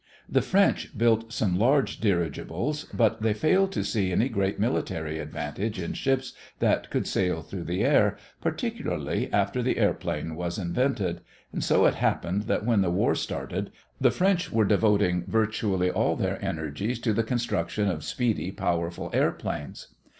The French built some large dirigibles, but they failed to see any great military advantage in ships that could sail through the air, particularly after the airplane was invented, and so it happened that when the war started the French were devoting virtually all their energies to the construction of speedy, powerful airplanes.